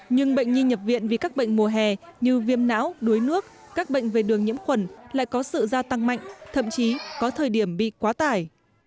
nhưng bệnh nhi nhập viện vì các bệnh mùa hè như viêm não đuối nước các bệnh về đường nhiễm khuẩn lại có sự gia tăng mạnh thậm chí có thời điểm bị quá tải